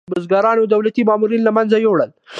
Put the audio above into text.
بزګرانو دولتي مامورین له منځه یوړل.